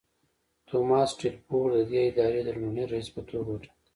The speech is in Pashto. توماس ټیلفورډ ددې ادارې د لومړني رییس په توګه وټاکل.